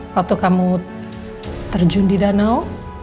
waktu kamu terjun di danau